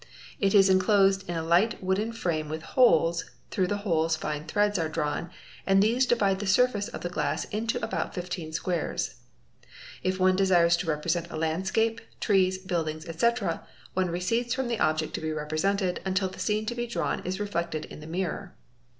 It is enclosed in a light wooden frame with holes, through the holes fine threads are drawn, and these divide the surface of the glass into about 15 squares. If one desires to represent a landscape, trees, be ildings, etc., one recedes from the object to be represented until the scene to be drawn is reflected by the mirror.